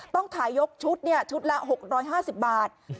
ต้องขายยกชุดชุดละ๖๕๐บาท